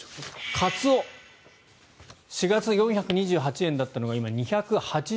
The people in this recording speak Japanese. カツオ、４月４２８円だったのが今、２８８円。